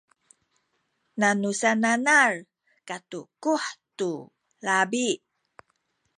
nanu sananal katukuh tu labi